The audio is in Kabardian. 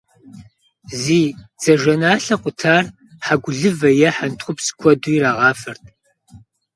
Зи дзажэналъэ къутар хьэгулывэ е хьэнтхъупс куэду ирагъафэрт.